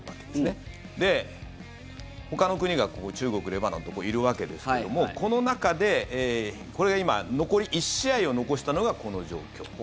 で、ほかの国が中国、レバノンといるわけですけどもこの中でこれが今、残り１試合を残したのがこの状況。